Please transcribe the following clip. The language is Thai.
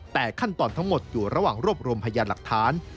แต่ขั้นตอนทั้งหมดอยู่ระหว่างรวบรวมพยานหลักฐาน